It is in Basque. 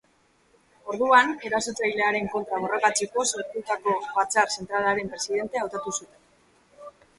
Orduan, erasotzailearen kontra borrokatzeko sortutako Batzar Zentralaren presidente hautatu zuten.